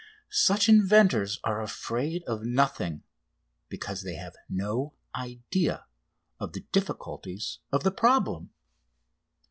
Such inventors are afraid of nothing, because they have no idea of the difficulties of the problem.